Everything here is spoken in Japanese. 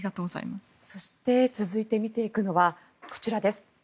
続いて見ていくのはこちらです。